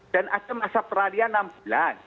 ada masa peralihan enam bulan